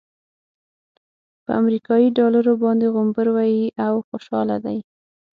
پر امريکايي ډالرو باندې غومبر وهي او خوشحاله دی.